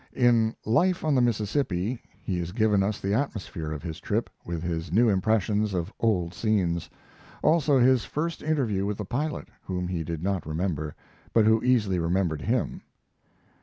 In 'Life on the Mississippi' he has given us the atmosphere of his trip, with his new impressions of old scenes; also his first interview with the pilot, whom he did not remember, but who easily remembered him.